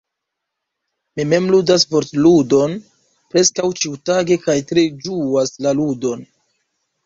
Mi mem ludas Vortludon preskaŭ ĉiutage kaj tre ĝuas la ludon.